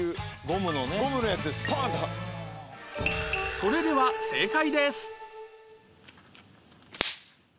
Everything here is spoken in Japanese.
それでは正解です